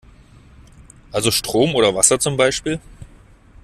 Also Strom oder Wasser zum Beispiel?